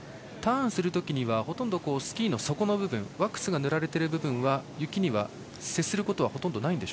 ターンするときにはほとんどスキーの底の部分ワックスが塗られている部分は雪に接することは？